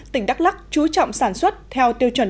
tỉnh đắk lắc chú trọng sản xuất theo tiêu chuẩn